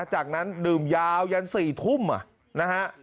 จากนั้นดื่มยาวยัน๔ทุ่มนะฮะ